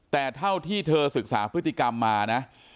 แต่เท่าที่เธอศึกษาพฤติกรรมมานะ